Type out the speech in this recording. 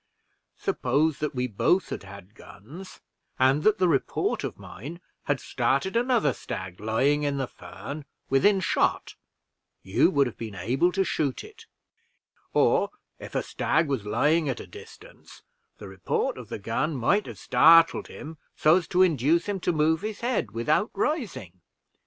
Suppose that we both had guns, and that the report of mine had started another stag lying in the fern within shot, you would have been able to shoot it; or if a stag was lying at a distance, the report of the gun might have started him so as to induce him to move his head without rising.